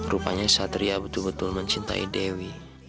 rupanya satria betul betul mencintai dewi